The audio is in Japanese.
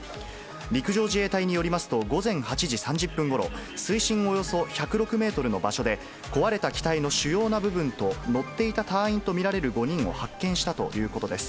陸上自衛隊によりますと、午前８時３０分ごろ、水深およそ１０６メートルの場所で、壊れた機体の主要な部分と、乗っていた隊員と見られる５人を発見したということです。